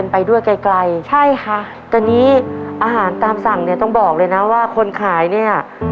ไปด้วยไกลไกลใช่ค่ะตอนนี้อาหารตามสั่งเนี่ยต้องบอกเลยนะว่าคนขายเนี่ย